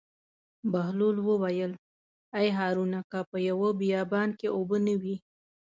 بهلول وویل: ای هارونه که په یوه بیابان کې اوبه نه وي.